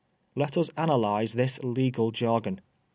Let us analyse this legal jargon.